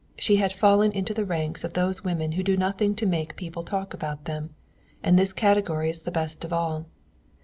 She had fallen into the ranks of those women who do nothing to make people talk about them, and this category is the best of all.